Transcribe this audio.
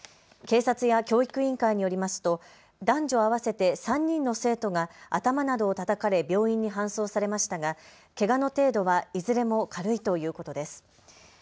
警察や教育委員会によりますと男女合わせて３人の生徒が頭などをたたかれ病院に搬送されましたが、けがの程度はいずれも軽いということです。